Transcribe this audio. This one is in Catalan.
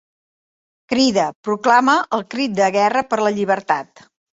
Crida, proclama el crit de guerra per la llibertat!